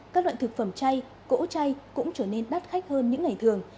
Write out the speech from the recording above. các loại thực phẩm chay cỗ chay cũng trở nên đắt khách hơn những ngày thường